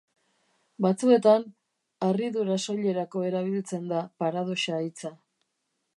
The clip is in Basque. Batzuetan, harridura soilerako erabiltzen da paradoxa hitza.